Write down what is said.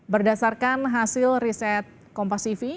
berdasarkan hasil riset kompasiv